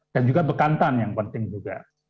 dan juga bekantan yang penting juga